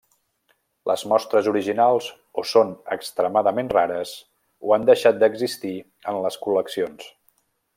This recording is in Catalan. Les mostres originals o són extremadament rares o han deixat d'existir en les col·leccions.